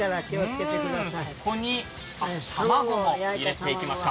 ここに卵も入れていきました。